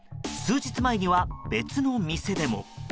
数日前には別の店でも。